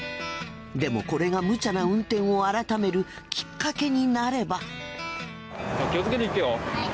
でもこれが無茶な運転を改めるきっかけになれば。